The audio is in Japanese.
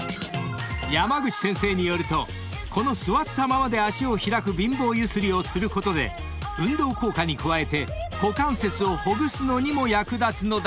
［山口先生によるとこの座ったままで足を開く貧乏ゆすりをすることで運動効果に加えて股関節をほぐすのにも役立つのだそう］